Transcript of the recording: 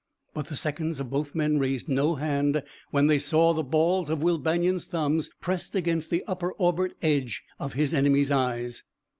But the seconds of both men raised no hand when they saw the balls of Will Banion's thumbs pressed against the upper orbit edge of his enemy's eyes.